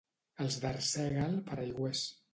Els d'Arsèguel, paraigüers.